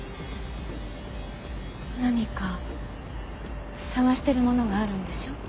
何か探してるものがあるんでしょ？